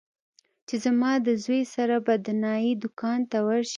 چې زما د زوى سره به د نايي دوکان ته ورشې.